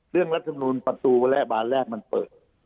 เรื่องรัฐสนุนประตูและบาลแรกมันเปิด